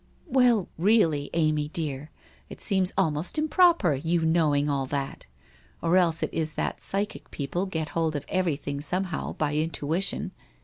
"' 1 Well, really, Amy dear, it seems almost improper, your knowing all that. Or else it is that psychic people get hold of everything somehow, by intuition.